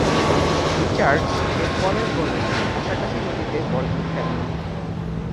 Richards এর পরের বলেই কাছাকাছি নদীতে বলটি ফেলেন।